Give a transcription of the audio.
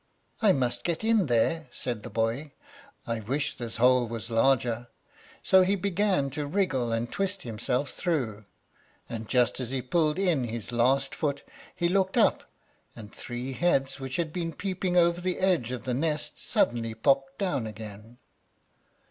"I must get in here," said the boy. "I wish this hole was larger." So he began to wriggle and twist himself through, and just as he pulled in his last foot, he looked up, and three heads which had been peeping over the edge of the nest suddenly popped down again.